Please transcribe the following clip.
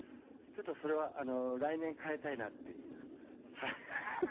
ちょっとそれは来年変えたいなっていう。